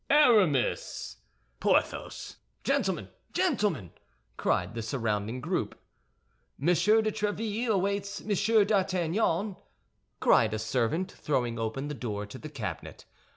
"Aramis!" "Porthos!" "Gentlemen! Gentlemen!" cried the surrounding group. "Monsieur de Tréville awaits Monsieur d'Artagnan," cried a servant, throwing open the door of the cabinet.